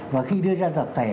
và khi đưa ra tập thể